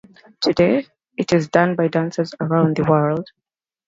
Today, it is done by dancers around the world.